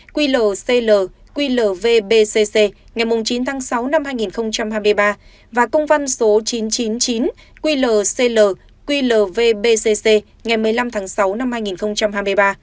quy lờ cl quy lờ vbcc ngày chín tháng sáu năm hai nghìn hai mươi ba và công văn số chín trăm chín mươi chín quy lờ cl quy lờ vbcc ngày một mươi năm tháng sáu năm hai nghìn hai mươi ba